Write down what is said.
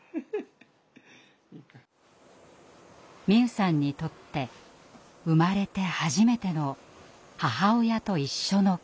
美夢さんにとって生まれて初めての母親と一緒の暮らし。